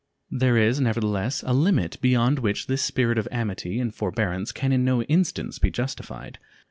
There is nevertheless a limit beyond which this spirit of amity and forbearance can in no instance be justified.